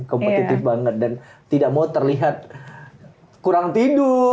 kompetitif banget dan tidak mau terlihat kurang tidur